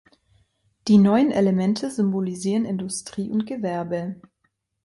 Die neuen Elemente symbolisieren Industrie und Gewerbe.